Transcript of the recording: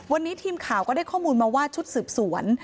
วันนี้ทีมข่าวก็ได้ข้อมูลมาว่าชุดสืบสวน